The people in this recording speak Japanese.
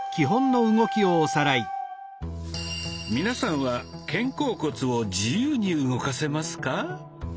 皆さんは肩甲骨を自由に動かせますか？